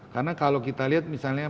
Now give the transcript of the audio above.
karena kalau kita lihat misalnya